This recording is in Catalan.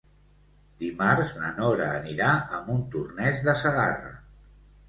Dimarts na Nora anirà a Montornès de Segarra.